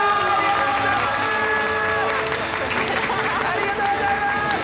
ありがとうございます！